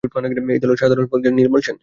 এই দলের সাধারণ সম্পাদক ছিলেন নির্মল সেন।